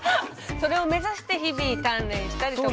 それを目指して日々鍛錬したりとか。